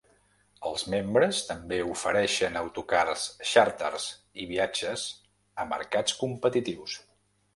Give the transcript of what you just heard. Els membres també ofereixen autocars xàrters i viatges a mercats competitius.